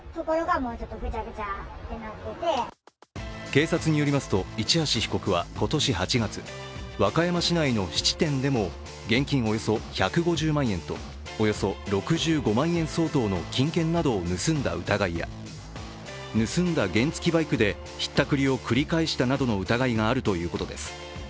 警察によりますと市橋被告は今年８月、和歌山市内の質店でも現金およそ１５０万円とおよそ６５万円相当の金券などを盗んだ疑いや盗んだ原付バイクでひったくりを繰り返したなどの疑いがあるということです。